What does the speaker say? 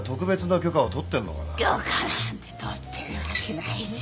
許可なんて取ってるわけないじゃ。